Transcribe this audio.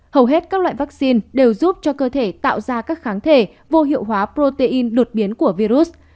hầu hết các loại vaccine đều giúp cho cơ thể tạo ra các kháng thể vô hiệu hóa protein đột biến của virus